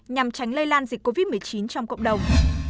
nhằm tránh lây lan dịch covid một mươi chín trong cộng đồng